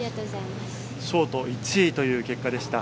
ショート１位という結果でした。